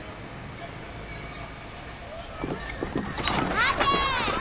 待て！